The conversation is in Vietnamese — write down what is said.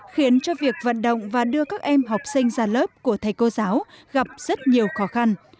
khiến cho việc vận động và đưa các em học sinh ra lớp của thầy cô giáo gặp rất nhiều khó khăn